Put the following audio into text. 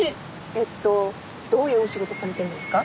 えっとどういうお仕事されてるんですか？